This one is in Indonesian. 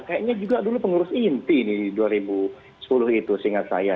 kayaknya juga dulu pengurus inti di dua ribu sepuluh itu seingat saya